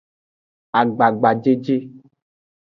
Agbagbajeje.